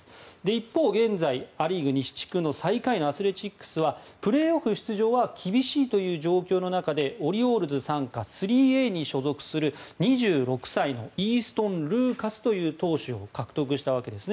一方、現在、ア・リーグ西地区の最下位のアスレチックスはプレーオフ出場は厳しい状況の中でオリオールズ傘下３Ａに所属する２６歳のイーストン・ルーカスという投手を獲得したわけです。